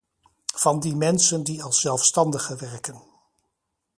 Van die mensen die als zelfstandige werken.